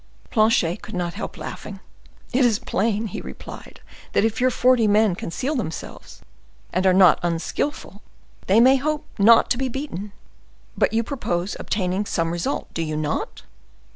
Planchet could not help laughing. "It is plain," replied he, "that if your forty men conceal themselves, and are not unskillful, they may hope not to be beaten: but you propose obtaining some result, do you not?"